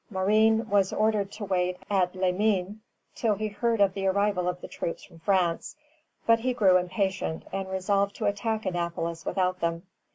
Marin was ordered to wait at Les Mines till he heard of the arrival of the troops from France; but he grew impatient, and resolved to attack Annapolis without them.